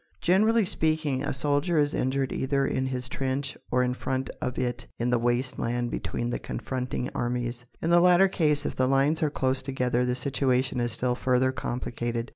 Generally speaking, a soldier is injured either in his trench or in front of it in the waste land between the confronting armies. In the latter case, if the lines are close together the situation is still further complicated.